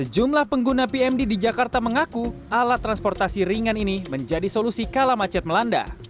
jumlah pengguna pmd di jakarta mengaku alat transportasi ringan ini menjadi solusi kala macet melanda